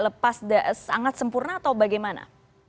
lepas sangat sempurna atau bagaimana